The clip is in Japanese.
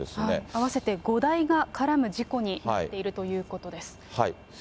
合わせて５台が絡む事故になっているということです。